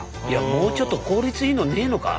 もうちょっと効率のいいのねえのか？